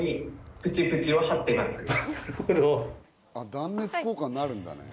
断熱効果になるんだね。